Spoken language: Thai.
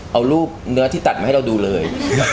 เอารูปเนื้อที่ตัดมาให้เราดูเลย